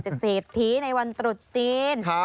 เศรษฐีในวันตรุษจีน